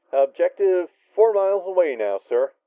"Objective four miles away now, sir."